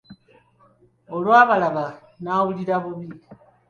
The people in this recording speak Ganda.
Olwabalaba n'awulira bubi.